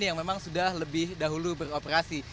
yang memang sudah lebih dahulu beroperasi